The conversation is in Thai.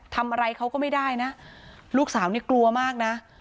ทำอะไรเขาก็ไม่ได้นะลูกสาวนี่กลัวมากนะ